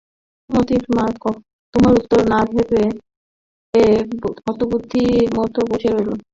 মোতির মা কোনো উত্তর না ভেবে পেয়ে হতবুদ্ধির মতো বসে রইল।